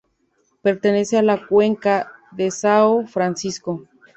Pertenece a la cuenca del São Francisco.